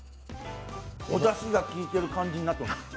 おだしがきいてる感じになってます。